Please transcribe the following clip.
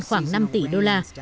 đến khoảng năm tỷ đô la